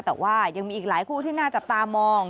แต่ว่ายังมีอีกหลายคู่ที่น่าจับตามอง